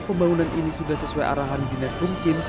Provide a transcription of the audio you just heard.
pembangunan ini sudah sesuai arahan dinas rumkin